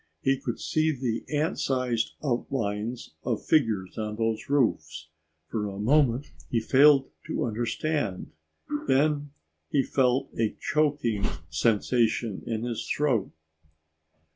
He could see the ant sized outlines of figures on those roofs. For a moment he failed to understand. Then he felt a choking sensation in his throat.